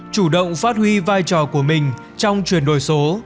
chủ động phát huy vai trò của mình trong chuyển đổi số